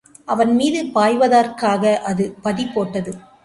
அவன்மீது பாய்வதற்காக அது பதி போட்டது.